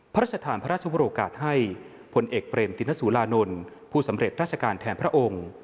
พระราชทานพระราชวรกาศให้พลเอกเปรมตินสุรานนท์ผู้สำเร็จราชการแทนพระองค์